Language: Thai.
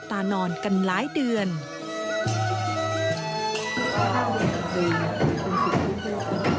ถ้าเราบอกภาพมันเป็นสิ่งตัดวัฒนธรรม